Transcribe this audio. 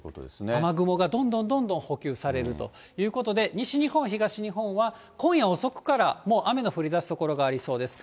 雨雲がどんどんどんどん補給されるということで、西日本、東日本は、今夜遅くから、もう雨の降りだす所がありそうです。